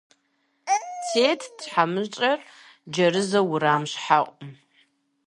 Тетт тхьэмыщкӏэр, джэрэзу, уэрам щхьэӀум.